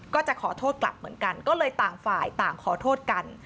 ก็จะขอโทษกลับเหมือนกันก็เลยต่างฝ่ายต่างขอโทษกัน